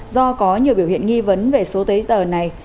do có nhiều biểu hiện nghi vấn về số giấy tờ này